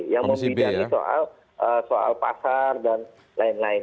yang membidangi soal pasar dan lain lain